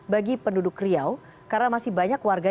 bagi penduduk riau karena masih banyak warga